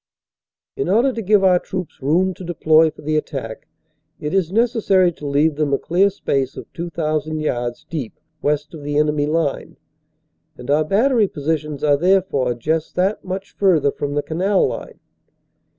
In order to give our troops room to deploy for the attack it is necessary to leave them a clear space of 2,000 yards deep west of the enemy line, and our battery positions are therefore just that much further from the canal line.